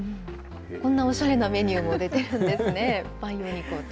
こんなおしゃれなメニューも出てるんですね、培養肉を使って。